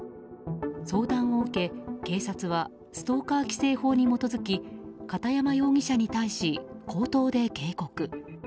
相談を受け、警察はストーカー規制法に基づき片山容疑者に対し、口頭で警告。